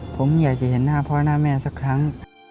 ผมอยากจะเห็นหน้าพ่อหน้าแม่สักครั้ง